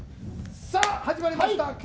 さあ、始まりました！